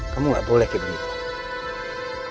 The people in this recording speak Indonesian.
kamu gak boleh kayak begitu